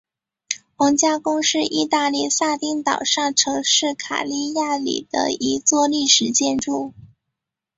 皇家宫是义大利撒丁岛上城市卡利亚里的一座历史建筑。